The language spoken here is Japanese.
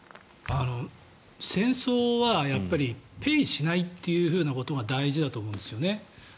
戦争はペイしないということが大事だと思うんですよね。